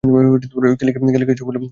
কেলিকে এসব বললে সে বিশ্বাসও করবেনা।